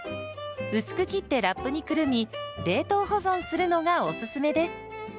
薄く切ってラップにくるみ冷凍保存するのがおすすめです。